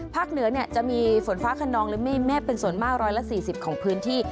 ภาคเหนือเนี่ยจะมีฝนฟ้าคนนองหรือแม่เป็นส่วนมาก๑๔๐ของพื้นที่